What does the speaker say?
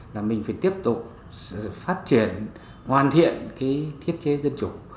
là mình phải tiếp tục phát triển hoàn thiện cái thiết chế dân chủ